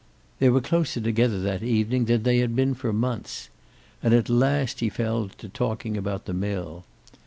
They were closer together that evening than they had been for months. And at last he fell to talking about the mill.